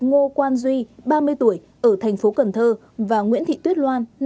ngô quan duy ba mươi tuổi ở thành phố cần thơ và nguyễn thị tuyết loan